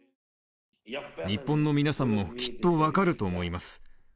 日本の皆さんもきっと分かると思います。